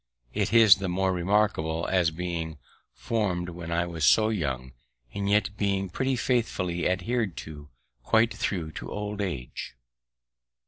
It is the more remarkable, as being formed when I was so young, and yet being pretty faithfully adhered to quite thro' to old age.